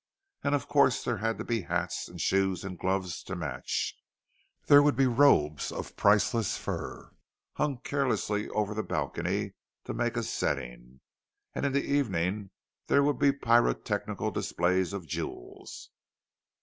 And of course there had to be hats and shoes and gloves to match. There would be robes of priceless fur hung carelessly over the balcony to make a setting; and in the evening there would be pyrotechnical displays of jewels.